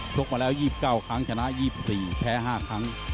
กมาแล้ว๒๙ครั้งชนะ๒๔แพ้๕ครั้ง